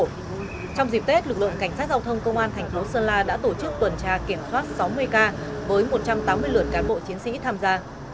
trong dịp tết lực lượng cảnh sát giao thông công an thành phố sơn la đã tổ chức tuần tra kiểm soát sáu mươi k với một trăm tám mươi lượt cán bộ chiến sĩ tham gia